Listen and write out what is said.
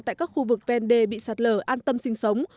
tại các khu vực ven đê bị sạt lở an tâm sinh sống